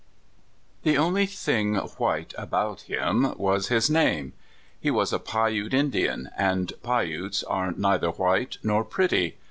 THE only thing white about him was his name. He was a Piute Indian, and Piutes are neither white nor pretty.